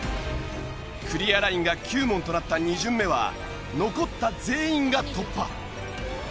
クリアラインが９問となった２巡目は残った全員が突破。